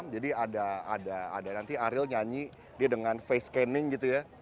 jadi ada nanti ariel nyanyi dengan face scanning gitu ya